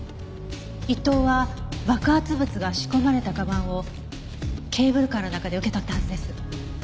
伊藤は爆発物が仕込まれた鞄をケーブルカーの中で受け取ったはずです。